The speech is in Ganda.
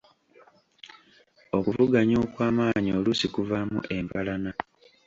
Okuvuganya okw’amaanyi oluusi kuvaamu empalana.